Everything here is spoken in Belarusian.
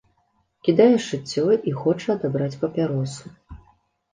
Кідае шыццё і хоча адабраць папяросу.